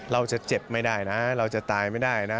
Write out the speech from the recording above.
เราจะเจ็บไม่ได้นะเราจะตายไม่ได้นะ